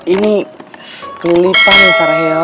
ini kelipan teng saraheyo